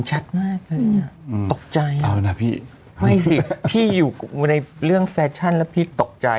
มากเลยตกใจเอานะพี่ไม่สิพี่อยู่ในเรื่องแฟชั่นแล้วพี่ตกใจ